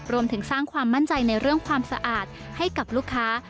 รวมถึงสร้างความมั่นใจในเรื่องความสะอาดให้กับลูกค้า